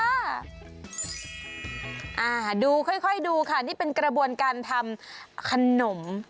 อ่าดูค่อยค่อยดูค่ะนี่เป็นกระบวนการทำขนม